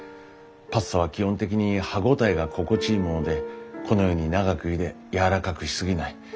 パスタは基本的に歯応えが心地いいものでこのように長くゆでやわらかくし過ぎない。